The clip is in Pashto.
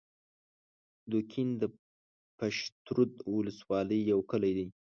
دوکین د پشترود د ولسوالۍ یو کلی دی